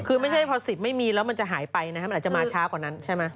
คือไม่ใช่พอสิทธิ์ไม่มีแล้วมันจะหายไปนะครับมันอาจจะมาช้ากว่านั้นใช่ไหม